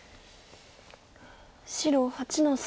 白８の三。